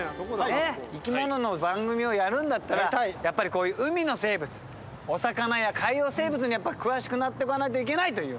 生き物の番組をやるんだったら、やっぱり海の生物、お魚や海洋生物にやっぱり詳しくなっておかないとできないという。